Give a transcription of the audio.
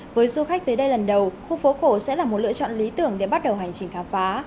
với du khách tới đây lần đầu khu phố cổ sẽ là một lựa chọn lý tưởng để bắt đầu hành trình khám phá